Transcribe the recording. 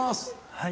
はい。